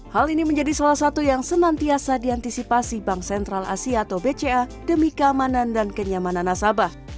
hal ini menjadi salah satu yang senantiasa diantisipasi bank sentral asia atau bca demi keamanan dan kenyamanan nasabah